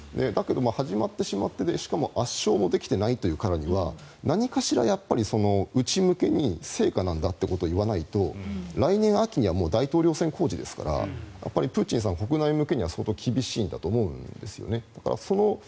始まってしまって圧勝ができていないからには何かしら内向けに成果なんだということを言わないと来年秋には大統領選公示ですからやっぱりプーチンさんは国内向けには相当厳しいんだと思うんですね。